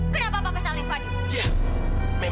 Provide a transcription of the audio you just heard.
kenapa papa saling menyerah